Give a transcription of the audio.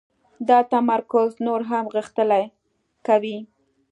دا تمرکز نور هم غښتلی کوي.